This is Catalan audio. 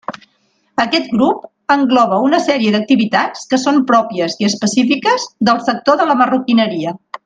Aquest grup engloba una sèrie d'activitats que són pròpies i específiques del sector de la marroquineria.